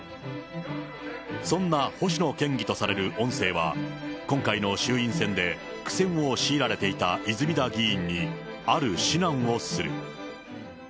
そんな星野県議とされる音声は、今回の衆院選で苦戦を強いられていた泉田議員に、ある指南をする。